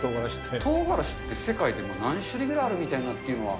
とうがらしって世界で今、何種類ぐらいあるみたいなっていうのは。